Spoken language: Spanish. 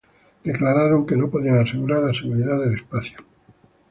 declararon que no podían asegurar la seguridad del espacio